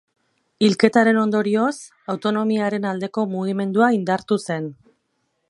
Hilketaren ondorioz autonomiaren aldeko mugimendua indartu zen.